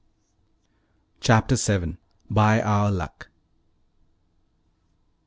CHAPTER VII BY OUR LUCK!